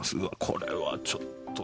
これはちょっと。